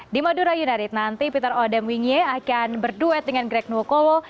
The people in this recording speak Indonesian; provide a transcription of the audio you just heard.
di madura united nanti peter odemwingie akan berduet dengan greg nuokowo